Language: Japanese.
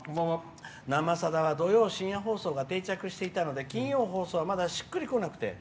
「生さだ」は土曜深夜放送が定着していたので金曜放送がしっくりこなくて」。